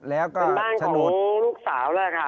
แล้วก็เป็นบ้านของลูกสาวแล้วค่ะ